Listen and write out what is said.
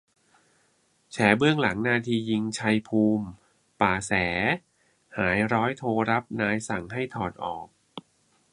แฉเบื้องหลังนาทียิง "ชัยภูมิ ป่าแส"หาย ร้อยโทรับนายสั่งให้ถอดออก